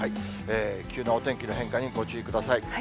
急なお天気の変化にご注意ください。